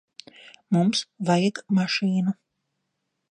Mums vajag mašīnu.